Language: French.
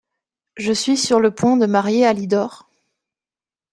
Je suis sur le point de marier Alidor…